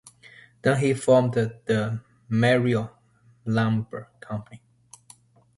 Then he formed the Merrill Lumber Company.